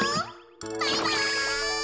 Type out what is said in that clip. バイバイ！